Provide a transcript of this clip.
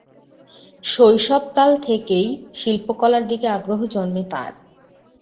শৈশবকাল থেকেই শিল্পকলার দিকে আগ্রহ জন্মে তাঁর।